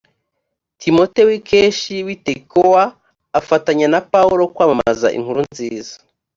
timote w’ikeshi w i tekowa afatanya na paulo kwamamaza inkuru nziza